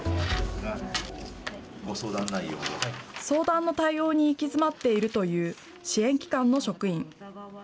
相談の対応に行き詰まっているという支援機関の職員。